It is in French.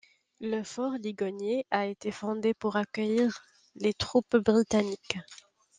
Le Fort Ligonier a été fondé pour accueillir les troupes britanniques.